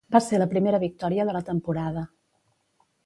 Va ser la primera victòria de la temporada.